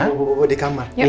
ketemu bubu di kamar